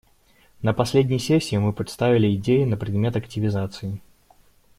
На последней сессии мы представили идеи на предмет активизации.